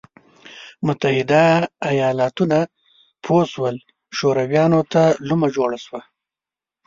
متحده ایالتونه پوه شول شورویانو ته لومه جوړه شوه.